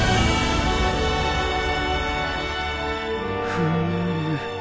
フーム。